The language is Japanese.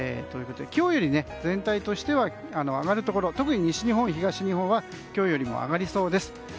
今日より全体としては上がるところ特に西日本、東日本は今日よりも上がりそうです。